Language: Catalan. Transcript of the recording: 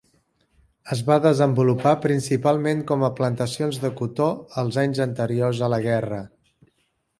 Es va desenvolupar principalment com a plantacions de cotó els anys anteriors a la guerra.